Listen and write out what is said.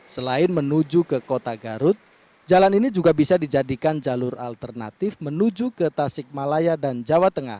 selain menuju ke kota garut jalan ini juga bisa dijadikan jalur alternatif menuju ke tasik malaya dan jawa tengah